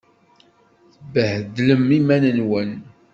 Tebbhedlem iman-nwen!